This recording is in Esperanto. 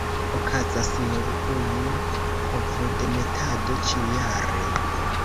Okazas nur unu ovodemetado ĉiujare.